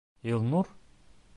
Илнур: